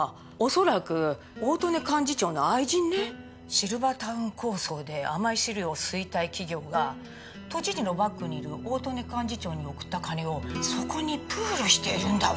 シルバータウン構想で甘い汁を吸いたい企業が都知事のバックにいる大利根幹事長に贈った金をそこにプールしているんだわ。